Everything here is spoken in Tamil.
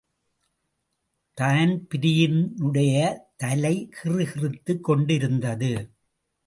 தான்பிரீனுடைய தலை கிறுகிறுத்துக் கொண்டிருந்தது.